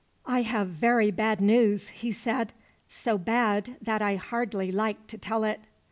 "I have very bad news," he said, "so bad that I hardly like to tell it.